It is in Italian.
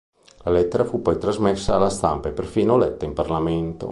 La lettera fu poi trasmessa alla stampa e perfino letta in Parlamento.